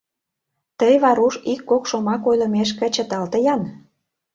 Тый, Варуш, ик-кок шомак ойлымешке чыталте-ян...